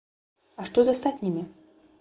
А што з астатнімі?